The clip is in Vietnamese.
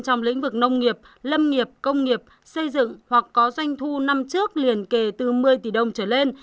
trong lĩnh vực nông nghiệp lâm nghiệp công nghiệp xây dựng hoặc có doanh thu năm trước liền kể từ một mươi tỷ đồng trở lên